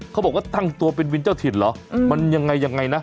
เขาบอกว่าตั้งตัวเป็นวิทย์เจ้าถิดเหรอมันอย่างไรนะ